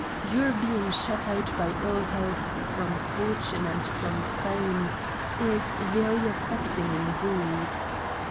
Your being shut out by ill health from Fortune and from Fame is very affecting indeed.